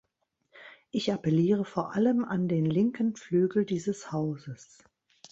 Ich appelliere vor allem an den linken Flügel dieses Hauses.